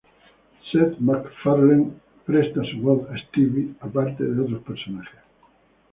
Seth MacFarlane presta su voz a Stewie aparte de otros personajes.